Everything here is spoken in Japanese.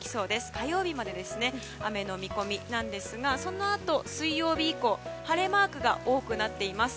火曜日まで雨の見込みなんですがそのあと水曜日以降晴れマークが多くなっています。